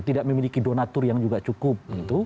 tidak memiliki donatur yang juga cukup